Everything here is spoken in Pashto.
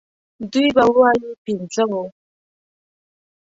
دوی به ووايي پنځه وو.